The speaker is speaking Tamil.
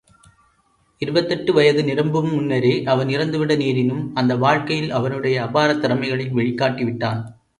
இருபத்தெட்டு வயது நிரம்பும் முன்னரே, அவன் இறந்துவிட நேரினும், அந்த வாழ்க்கையில் அவனுடைய அபாரத் திறமைகளை வெளிக்காட்டி விட்டான்.